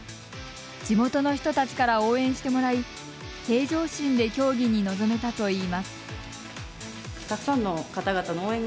地元の人たちから応援してもらい平常心で競技に臨めたといいます。